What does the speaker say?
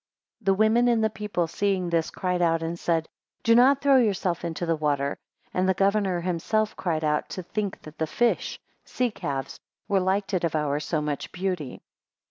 The women and the people seeing this, cried out and said, Do not throw yourself into the water. And the governor himself cried out, to think that the fish (sea calves) were like to devour so much beauty.